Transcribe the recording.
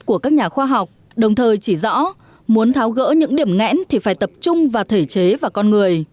của các nhà khoa học đồng thời chỉ rõ muốn tháo gỡ những điểm ngẽn thì phải tập trung vào thể chế và con người